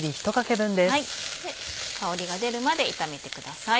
香りが出るまで炒めてください。